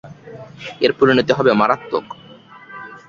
এর পরিণতি হবে মারাত্মক।